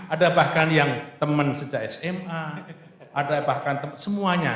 ada bahkan yang teman sejak sma ada bahkan semuanya